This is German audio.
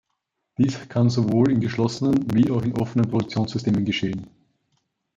Dies kann sowohl in geschlossenen, wie in offenen Produktionssystemen geschehen.